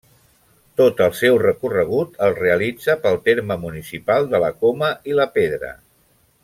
Tot el seu recorregut el realitza pel terme municipal de La Coma i la Pedra.